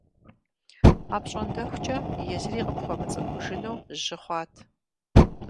АпщӀондэхукӀэ езыри къыпхуэмыцӀыхужыну жьы хъуат.